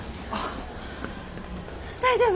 大丈夫？